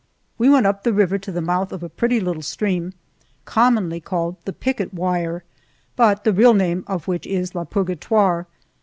We went up the river to the mouth of a pretty little stream commonly called "The Picket Wire," but the real name of which is La Purgatoire.